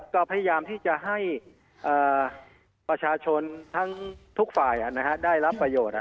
ก็พยายามที่จะให้ประชาชนทั้งทุกฝ่ายได้รับประโยชน์